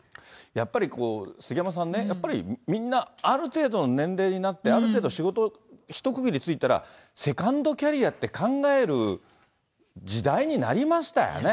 やっぱり杉山さんね、やっぱりみんなある程度の年齢になって、ある程度、仕事一区切りついたら、セカンドキャリアって考える時代になりましたよね。